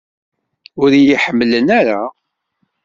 Ur iyi-ḥemmlen ara?